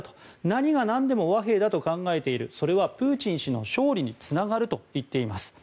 何がなんでも和平だと考えているそれはプーチン氏の勝利につながると言っています。